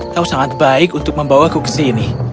kau sangat baik untuk membawaku ke sini